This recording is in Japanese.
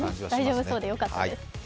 大丈夫そうでよかったです。